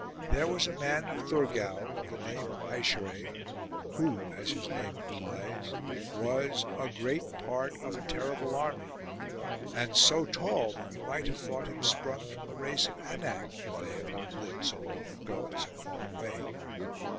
There was a man of Thurgau, of the name of Eishere, who as his name implies was " a great part of a terrible army " and so tall that you might have thought him sprung from the race of Anak, if they had not lived so long ago and so far away.